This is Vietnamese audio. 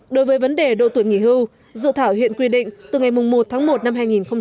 đối với vấn đề độ tuổi nghỉ hưu dự thảo hiện quy định từ ngày một tháng một năm hai nghìn hai mươi